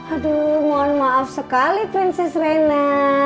aduh mohon maaf sekali princes rena